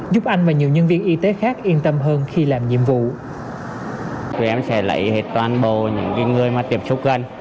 giúp anh và nhiều nhân viên y tế khác yên tâm hơn khi làm nhiệm vụ